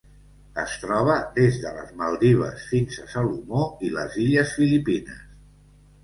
Es troba des de les Maldives fins a Salomó i les illes Filipines.